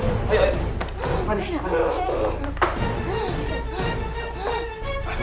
percaya sama aku kak